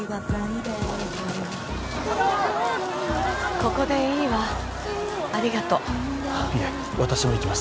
ここでいいわありがとういえ私も行きます